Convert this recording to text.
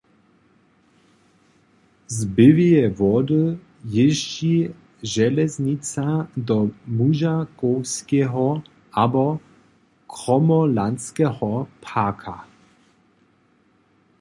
Z Běłeje Wody jězdźi železnica do Mužakowskeho abo Kromolanskeho parka.